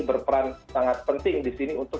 berperan sangat penting disini untuk